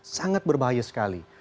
sangat berbahaya sekali